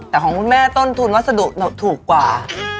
แต่ของคุณแม่ต้นทุนวัสดุถูกกว่า